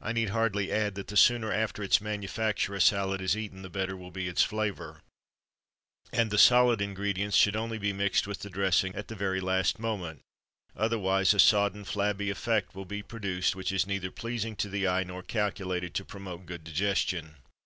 I need hardly add that the sooner after its manufacture a salad is eaten, the better will be its flavour. And the solid ingredients should only be mixed with the dressing at the very last moment; otherwise a sodden, flabby effect will be produced, which is neither pleasing to the eye, nor calculated to promote good digestion.